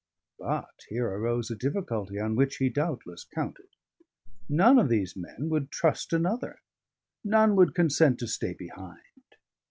But here arose a difficulty on which he doubtless counted. None of these men would trust another, none would consent to stay behind.